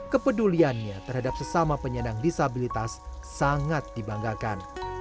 kepeduliannya terhadap sesama penyandang disabilitas sangat dibanggakan